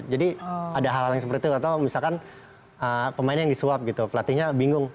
jadi ada hal hal yang seperti itu atau misalkan pemain yang disuap gitu pelatihnya bingung